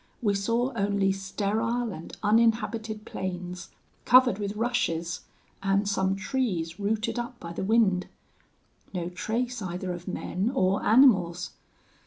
We saw only sterile and uninhabited plains, covered with rushes, and some trees rooted up by the wind. No trace either of men or animals.